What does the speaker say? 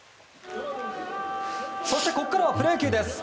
そして、ここからはプロ野球です。